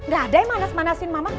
gak ada yang manas manasin mamak